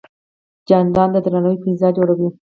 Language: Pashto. جانداد د درناوي فضا جوړوي.